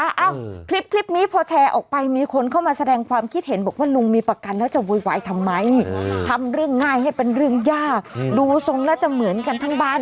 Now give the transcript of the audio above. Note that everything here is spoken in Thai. เอ้าคลิปนี้พอแชร์ออกไปมีคนเข้ามาแสดงความคิดเห็นบอกว่าลุงมีประกันแล้วจะโวยวายทำไมทำเรื่องง่ายให้เป็นเรื่องยากดูทรงแล้วจะเหมือนกันทั้งบ้าน